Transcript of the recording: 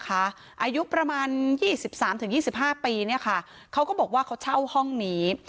อายุประมาณ๒๓๒๕ปีเขาก็บอกว่าเขาเช่าห้องนี้